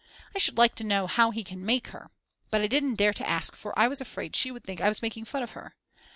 I should like to know how he can make her. But I didn't dare to ask for I was afraid she would think I was making fun of her.